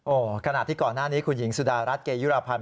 โอ้โหขณะที่ก่อนหน้านี้คุณหญิงสุดารัฐเกยุรพันธ์